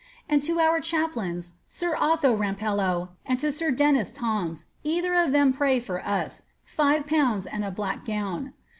And lo our chaplains, sir Oilio Rampello, and to sir Denis Thoms, either of them to pray for us, 5/. and a black gown.